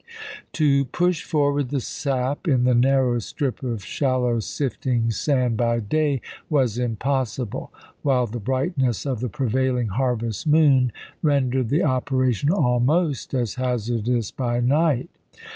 To push forward the sap in the narrow strip of shallow sifting sand by day was impossible, while the brightness of the prevailing harvest moon rendered the operation almost as hazardous by night."